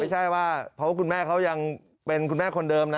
ไม่ใช่ว่าเพราะว่าคุณแม่เขายังเป็นคุณแม่คนเดิมนะ